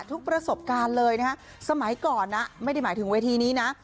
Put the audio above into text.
ประสบการณ์เลยนะฮะสมัยก่อนนะไม่ได้หมายถึงเวทีนี้นะ